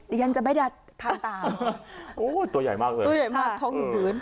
เดี๋ยวยันจะไม่ได้ทานตามโอ้ตัวใหญ่มากเลยตัวใหญ่มากทองหยุดหยุด